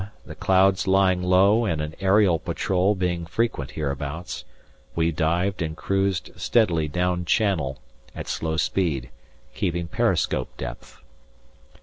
the clouds lying low and an aerial patrol being frequent hereabouts, we dived and cruised steadily down channel at slow speed, keeping periscope depth.